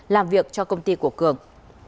làm việc cho công ty của cường